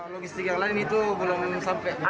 logistik yang lain itu belum sampai